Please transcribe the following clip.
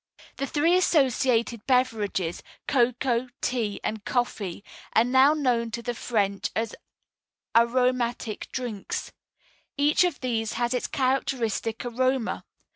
The three associated beverages, cocoa, tea, and coffee are known to the French as aromatic drinks. Each of these has its characteristic aroma.